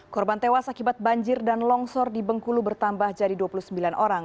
korban tewas akibat banjir dan longsor di bengkulu bertambah jadi dua puluh sembilan orang